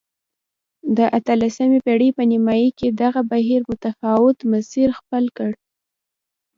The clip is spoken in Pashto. د اتلسمې پېړۍ په نیمايي کې دغه بهیر متفاوت مسیر خپل کړ.